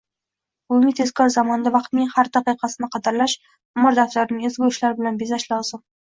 Bugungi tezkor zamonda vaqtning har daqiqasini qadrlash, umr daftarini ezgu ishlar ila bezash lozim.